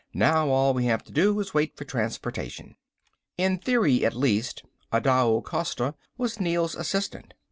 Now all we have to do is wait for transportation." In theory at least, Adao Costa was Neel's assistant.